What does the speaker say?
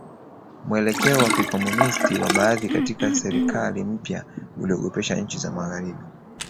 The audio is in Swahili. Mwelekeo wa Kikomunisti wa baadhi katika serikali mpya uliogopesha nchi za Magharibi